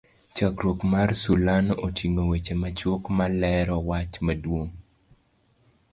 chakruok mar sulano otingo weche machuok ma lero wach maduong'